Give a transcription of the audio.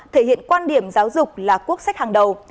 thể hiện quan điểm giáo dục là quốc sách hàng đầu